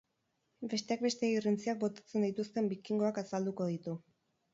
Besteak beste, irrintziak botatzen dituzten bikingoak azalduko ditu.